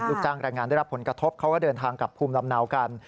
ลูกจ้างแรงงานได้รับผลกระทบเขาก็เดินทางกลับภูมิลำเนากัน